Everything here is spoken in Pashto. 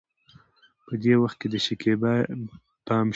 په دې وخت کې د شکيبا پې پام شو.